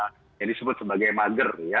yang disebut sebagai mager ya